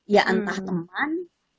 ya entah teman